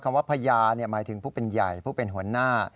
คำว่าพญาหมายถึงผู้เป็นใหญ่ผู้เป็นหัวหน้า